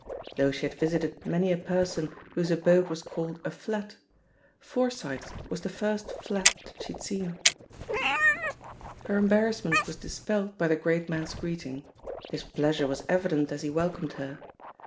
Though she had visited many a person whose abode was called a *'flat/* Forsyth's was the first flat that she had seen. Her embarrassment was dispelled by the great man's greeting; his pleasure was evident as he welcomed her.